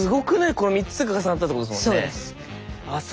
この３つが重なったってことですもんね。